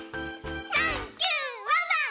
サンキューワンワン！